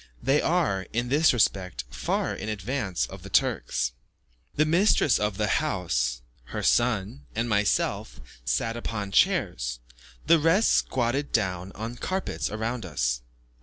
They are, in this respect, far in advance of the Turks. The mistress of the house, her son, and myself, sat upon chairs, the rest squatted down on carpets round us.